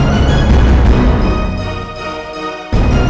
kenapa lu gak bisa